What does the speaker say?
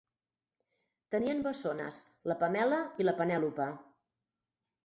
Tenien bessones, la Pamela i la Penèlope.